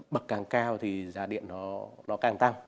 bậc càng cao thì giá điện nó càng tăng